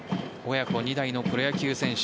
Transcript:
親子２代のプロ野球選手。